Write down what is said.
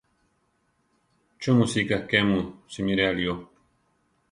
¿Chú mu sika ké mu simire aʼrío?